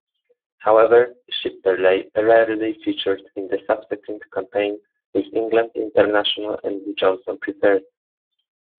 However, Shipperley rarely featured in the subsequent campaign, with England international Andy Johnson preferred.